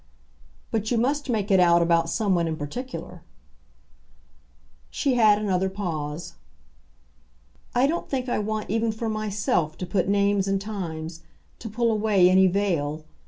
"But you must make it out about someone in particular." She had another pause. "I don't think I want even for myself to put names and times, to pull away any veil.